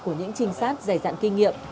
của những trinh sát dày dạng kinh nghiệm